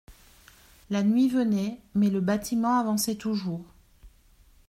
La nuit venait, mais le bâtiment avançait toujours.